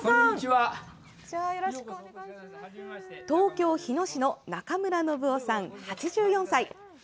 東京・日野市の中村信雄さん、８４歳。